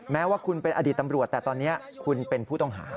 แม้ว่าคุณเป็นอดีตตำรวจแต่ตอนนี้คุณเป็นผู้ต้องหา